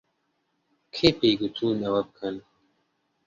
کێ پێی گوتوون ئەوە بکەن؟